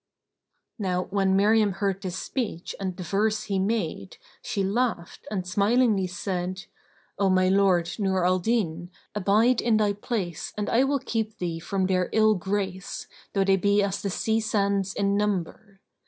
Now when Miriam heard his speech and the verse he made, she laughed and smilingly said, "O my lord Nur al Din, abide in thy place and I will keep thee from their ill grace, though they be as the sea sands in number.